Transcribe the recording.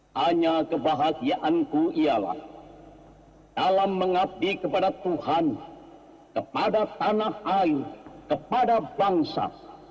hanya kebahagiaanku ialah dalam mengabdi kepada tuhan kepada tanah air kepada bangsa